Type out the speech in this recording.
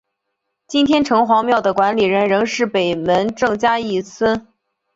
今天城隍庙的管理人仍是北门郑家裔孙。